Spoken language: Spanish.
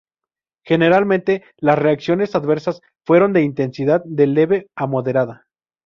Generalmente, las reacciones adversas fueron de intensidad de leve a moderada.